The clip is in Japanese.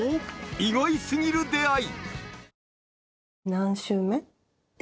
意外過ぎる出会い